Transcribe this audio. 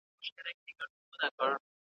ټولنه که سالمه غذا ورکړي، ټول فردان ځواکمن دي.